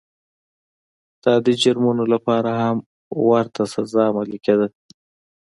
د عادي جرمونو لپاره هم ورته سزا عملي کېده.